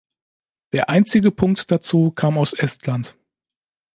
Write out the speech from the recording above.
Der einzige Punkt dazu kam aus Estland.